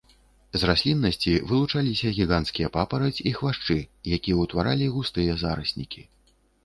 З расліннасці вылучаліся гіганцкія папараць і хвашчы, якія ўтваралі густыя зараснікі.